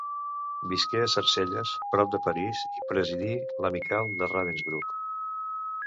Visqué a Sarcelles, prop de París, i presidí l'Amical de Ravensbrück.